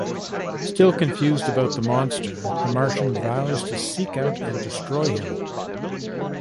Still confused about the "monster," the Martian vows to seek out and destroy him.